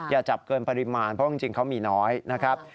อย่าจับเกินปริมาณเพราะจริงเขามีน้อยนะครับ